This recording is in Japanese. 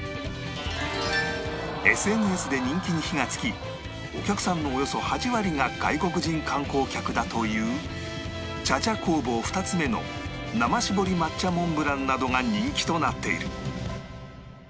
ＳＮＳ で人気に火がつきお客さんのおよそ８割が外国人観光客だという茶々工房ふたつめの生搾り抹茶モンブランなどが人気となっている